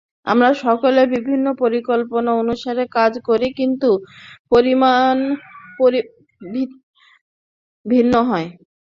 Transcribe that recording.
আমরা সকলেই বিভিন্ন পরিকল্পনা অনুসারে কাজ করি, কিন্তু পরিণাম ভিন্ন হয়।